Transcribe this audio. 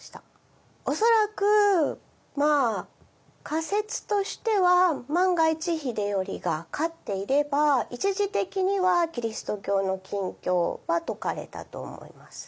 恐らく仮説としては万が一秀頼が勝っていれば一時的にはキリスト教の禁教は解かれたと思います。